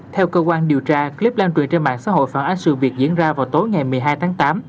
theo cơ quan điều tra clip lan truyền trên mạng xã hội phản ánh sự việc diễn ra vào tối ngày một mươi hai tháng tám